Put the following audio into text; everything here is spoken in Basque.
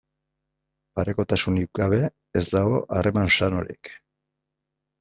Parekotasunik gabe ez dago harreman sanorik.